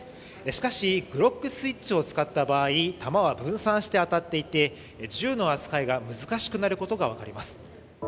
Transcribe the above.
しかしグロックスイッチを使った場合、弾は分散して当たっていて銃の扱いが難しくなることが分かります。